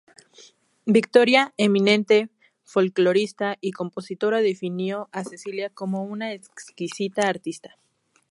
Victoria, eminente folclorista y compositora, definió a Cecilia como ""una exquisita artista"".